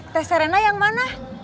tes serena yang mana